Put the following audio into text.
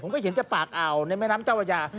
ผมก็เห็นแค่ปากอาวในแม่น้ำเจ้าวัยา